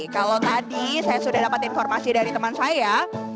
kalau tadi saya sudah dapat informasi dari teman saya